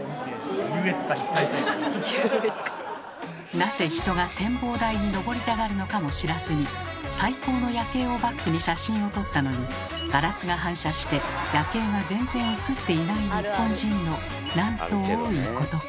なぜ人が展望台にのぼりたがるのかも知らずに最高の夜景をバックに写真を撮ったのにガラスが反射して夜景が全然写っていない日本人のなんと多いことか。